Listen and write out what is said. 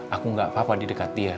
aku gak apa apa di dekat dia